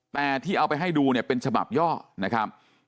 แต่ที่เอาไปให้ดูเนี่ยเป็นฉบับย่อนะครับ